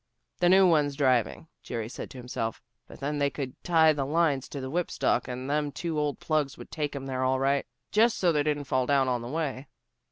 "The new one's driving," Jerry said to himself. "But then, they could tie the lines to the whip stock and them two old plugs would take 'em there all right, just so they didn't fall down on the way."